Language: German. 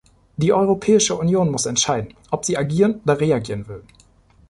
Die Europäische Union muss entscheiden, ob sie agieren oder reagieren will.